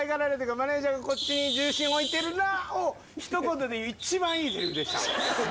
マネジャーがこっちに重心を置いてるなをひと言で言う一番いいセリフでした。